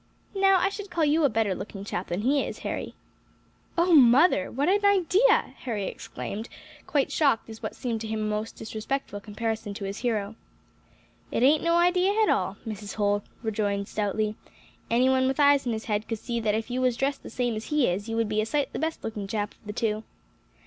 Now I should call you a better looking chap than he is, Harry." "O mother, what an idea!" Harry exclaimed, quite shocked at what seemed to him a most disrespectful comparison to his hero. "It ain't no idea at all," Mrs. Holl rejoined stoutly; "any one with eyes in his head could see that if you was dressed the same as he is you would be a sight the best looking chap of the two."